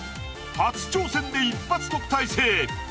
初挑戦で一発特待生。